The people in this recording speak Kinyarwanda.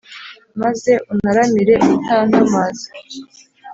Maze untaramire utantamaza?